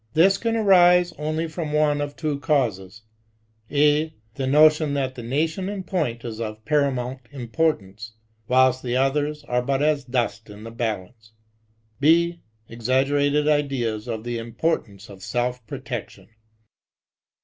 This can arise only from one of two causes ; (a) the notion that the nation in point is of paramount importance, whilst the others are but as dust in the balance ; (6) exaggerated ideas of the importance of self protection.